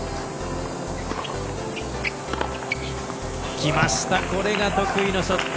きました、これが得意のショット。